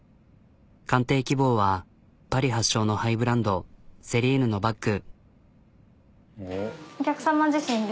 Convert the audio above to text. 鑑定希望はパリ発祥のハイブランドセリーヌのバッグ。